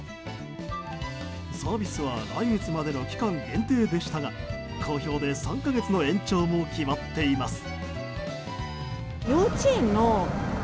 サービスは来月までの期間限定でしたが好評で３か月の延長も決まっています。